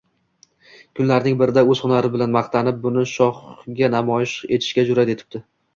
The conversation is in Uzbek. Kunlarning birida o`z hunari bilan maqtanib, buni shohga namoyish etishga jur`at etibdi